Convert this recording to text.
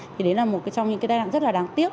thì đấy là một trong những cái đe dọa rất là đáng tiếc